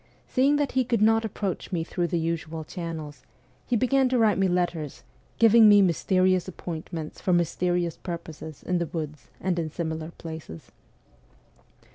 Seeing that he could not approach me through the usual channels, he began to write me letters, giving me mysterious appointments for mysterious purposes in the woods and in similar places.